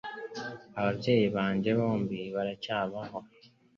Ababyeyi banjye bombi baracyabaho.